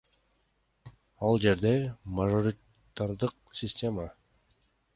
Ал жерде мажоритардык система.